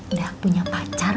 udah punya pacar